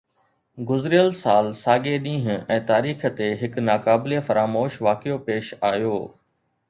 گذريل سال ساڳئي ڏينهن ۽ تاريخ تي هڪ ناقابل فراموش واقعو پيش آيو